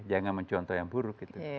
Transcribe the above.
jangan mencontoh yang buruk gitu